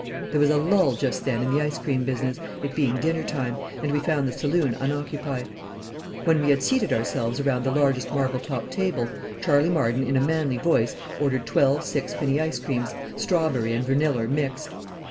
There was a lull just then in the ice cream business, it being dinner time, and we found the saloon unoccupied. When we had seated ourselves around the largest marble topped table, Charley Marden in a manly voice ordered twelve sixpenny icecreams, "strawberry and verneller mixed."